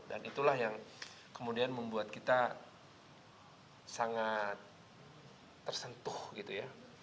dan itulah yang kemudian membuat kita sangat tersentuh gitu ya